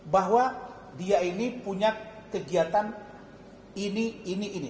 bahwa dia ini punya kegiatan ini ini ini